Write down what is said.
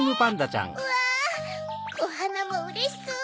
おはなもうれしそう！